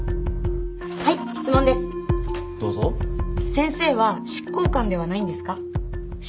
先生は執行官ではないんですか？